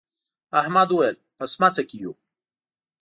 احمد وويل: په سمڅه کې یو.